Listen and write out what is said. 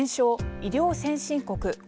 “医療先進国”